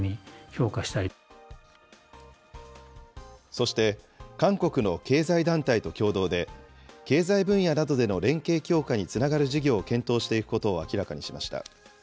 そして、韓国の経済団体と共同で、経済分野などでの連携強化につながる事業を検討していくことを明らかにしました。